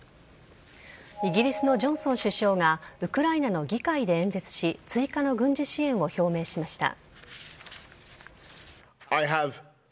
イギリスのジョンソン首相がウクライナの議会で演説し追加の軍事支援を表明しました。